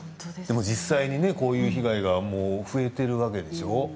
実際にこういう被害が増えているわけでしょう。